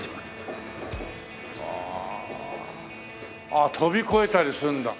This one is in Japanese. あっ跳び越えたりするんだ。